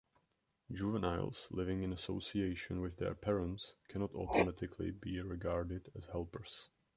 Juveniles living in association with their parents cannot automatically be regarded as helpers.